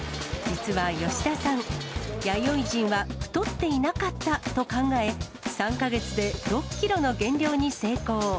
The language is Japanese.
実は吉田さん、弥生人は太っていなかったと考え、３か月で６キロの減量に成功。